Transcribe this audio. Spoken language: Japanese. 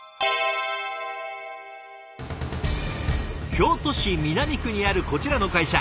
京都市南区にあるこちらの会社。